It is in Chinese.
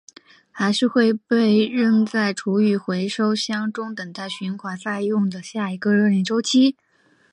还是会被扔在厨余回收箱中等待循环再用的下一个热恋周期？